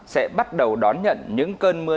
sẽ bắt đầu đón nhận những cơn mưa